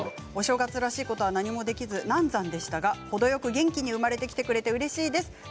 お正月らしいことは何もできず難産でしたが元気で生まれてきてくれてうれしいです。